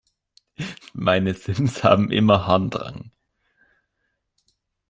Meine Sims haben immer Harndrang.